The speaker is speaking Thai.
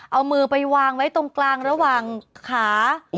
เอามือไปวางไว้ตรงกลางระหว่างขา